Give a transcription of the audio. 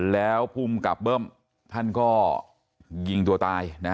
แล้วภูมิกับเบิ้มท่านก็ยิงตัวตาย